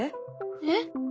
えっ？